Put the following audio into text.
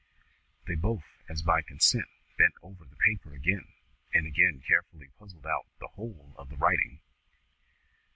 They both, as by consent, bent over the paper again, and again carefully puzzled out the whole of the writing.